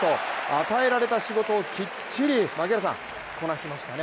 与えられた仕事をきっちりこなしていましたね。